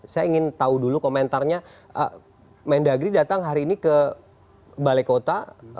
saya ingin tahu dulu komentarnya mendagri datang hari ini ke balai kota